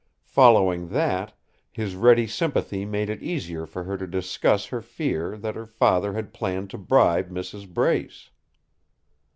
Following that, his ready sympathy made it easier for her to discuss her fear that her father had planned to bribe Mrs. Brace.